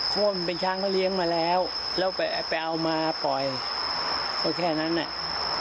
คนเป็นช้างเค้าเลี้ยงมาแล้วซึ่งออกมาไปปล่อยก็แค่นั้นแหละ